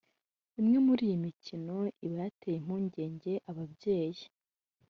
Imwe muri iyi mikino iba yateye impungenge ababyeyi